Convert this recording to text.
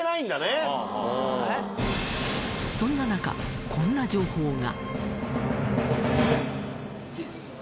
そんな中こんな情報が。